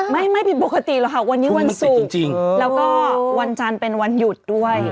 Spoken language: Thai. ไม่ผิดปกติหรอกค่ะวันนี้วันศุกร์แล้วก็วันจันทร์เป็นวันหยุดด้วย